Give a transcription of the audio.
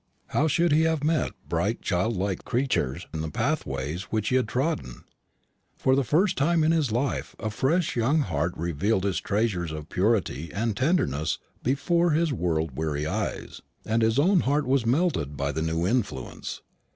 How should he have met bright childlike creatures in the pathways which he had trodden? For the first time in his life a fresh young heart revealed its treasures of purity and tenderness before his world weary eyes, and his own heart was melted by the new influence.